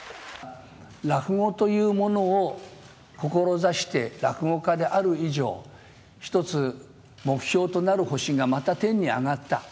落語というものを志して、落語家である以上、一つ目標となる星がまた天に上がった。